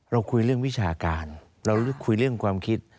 เราคุยเรื่องวิชาการเราคุยเรื่องความคิด